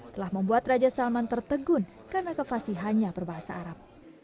telah membuat raja salman tertegun karena kevasihannya berbahasa arab